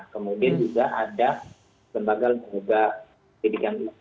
kemudian juga ada lembaga lembaga pendidikan